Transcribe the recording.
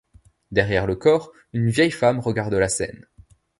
Derrière le corps, une vieille femme regarde la scène.